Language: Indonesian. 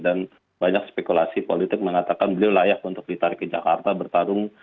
dan banyak spekulasi politik mengatakan beliau layak untuk ditarik ke jakarta bertarung